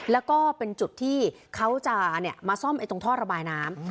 แล้วก็เป็นจุดที่เขาจะมาซ่อมตรงท่อระบายน้ำ